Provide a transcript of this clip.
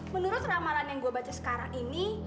menurut ramalan yang gue baca sekarang ini